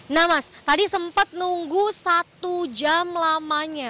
nah mas tadi sempat nunggu satu jam lamanya